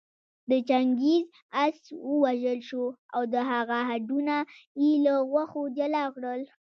د چنګېز آس ووژل شو او د هغه هډونه يې له غوښو جلا کړل